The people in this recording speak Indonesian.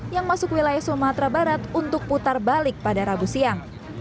yang masuk wilayah sumatera barat untuk putar balik pada rabu siang